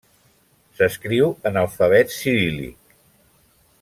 S'escriu en alfabet ciríl·lic.